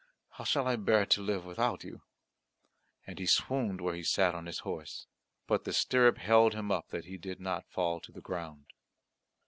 How shall I bear to live without you?" And he swooned where he sat on his horse. But the stirrup held him up that he did not fall to the ground.